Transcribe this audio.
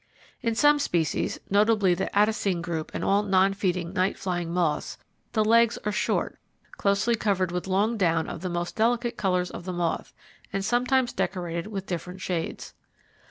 In some species, notably the Attacine group and all non feeding, night flying moths, the legs are short, closely covered with long down of the most delicate colours of the moth, and sometimes decorated with different shades.